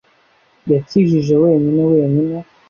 Yakijije wenyine wenyine